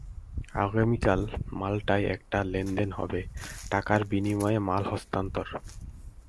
আগামীকাল মাল্টায় একটা লেনদেন হবে, টাকার বিনিময়ে মাল হস্তান্তর।